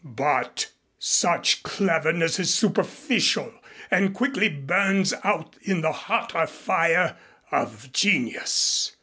But such cleverness is superficial and quickly burns out in the hotter fire of genius.